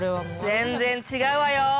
全然違うわよ。